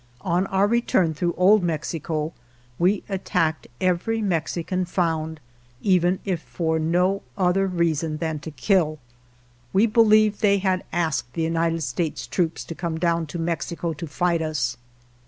On our return through Old Mexico we attacked every Mexican found, even if for no other reason than to kill. We believed they had asked the United States troops to come down to Mexico to fight us.